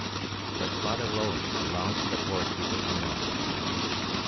But Father Roland belonged to the forest people alone.